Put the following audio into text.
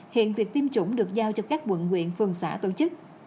hiện việc tiêm chủng được giao cho các quận nguyện phường xã tổ chức